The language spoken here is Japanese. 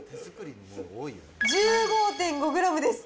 １５．５グラムです。